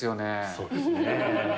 そうですね。